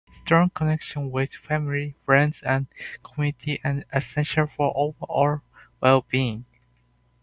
Strong connections with family, friends, and community are essential for overall well-being.